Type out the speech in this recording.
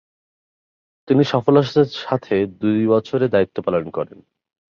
তিনি সফলতার সাথে দুই বছর দায়িত্ব পালন করেন।